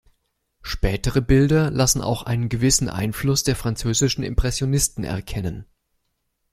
Spätere Bilder lassen auch einen gewissen Einfluss der französischen Impressionisten erkennen.